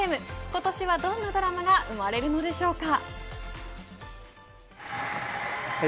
今年はどんなドラマが生まれるのでしょうか。